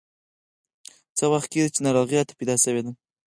څه وخت کېږي چې ناروغي راته پیدا شوې ده.